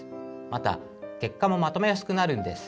また結果もまとめやすくなるんです。